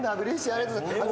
ありがとうございます。